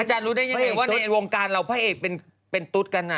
รู้ได้ยังไงว่าในวงการเราพระเอกเป็นตุ๊ดกัน